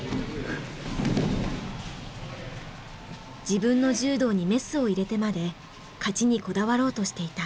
自分の柔道にメスを入れてまで勝ちにこだわろうとしていた。